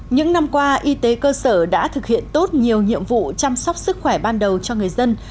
những năm qua y tế cơ sở đã thực hiện tốt nhiều nhiệm vụ chăm sóc sức khỏe ban đầu cho người dân